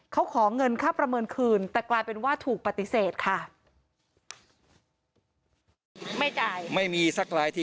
เขาขอเงินค่าประเมินคืนแต่กลายเป็นว่าถูกปฏิเสธค่ะ